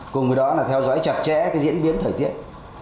cùng với đó là theo dõi chặt chẽ cái diễn biến thời tiết